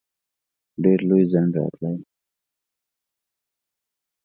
ډېر لوی ځنډ راتلی.